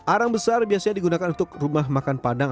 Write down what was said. arang besar biasanya digunakan untuk rumah makan padang